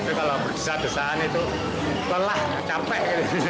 tapi kalau berdesa desaan itu lelah capek